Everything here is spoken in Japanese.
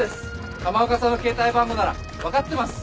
浜岡さんの携帯番号なら分かってます。